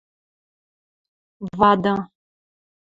Вады.